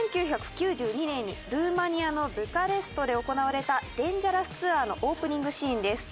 １９９２年にルーマニアのブカレストで行われたデンジャラス・ツアーのオープニングシーンです。